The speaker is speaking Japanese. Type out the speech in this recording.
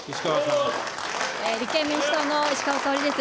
立憲民主党の石川香織です。